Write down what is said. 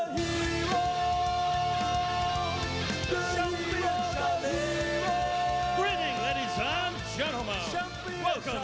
ทุกคนสวัสดีครับทุกคน